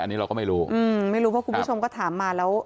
อันนี้เราก็ไม่รู้อืมไม่รู้ไม่รู้เพราะคุณผู้ชมก็ถามมาแล้ว